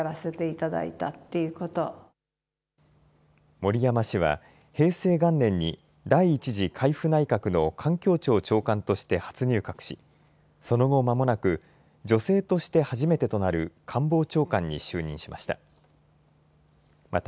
森山氏は平成元年に第１次海部内閣の環境庁長官として初入閣しその後まもなく、女性として初めてとなる官房長官に就任しました。